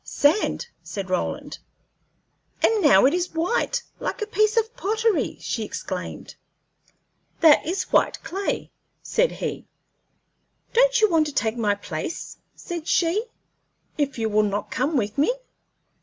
"Sand," said Roland. "And now it is white, like a piece of pottery," she exclaimed. "That is white clay," said he. "Don't you want to take my place," said she, "if you will not come with me?"